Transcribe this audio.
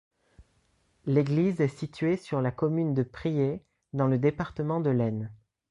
L'église est située sur la commune de Priez, dans le département de l'Aisne.